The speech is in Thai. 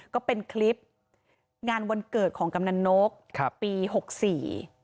ก็เป็นคลิปงานวันเกิดของกำนันนกครับปีหกสี่